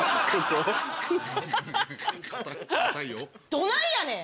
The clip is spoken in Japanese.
どないやねん！